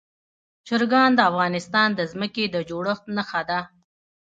چرګان د افغانستان د ځمکې د جوړښت نښه ده.